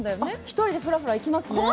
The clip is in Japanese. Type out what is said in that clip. １人でフラフラ行きますね。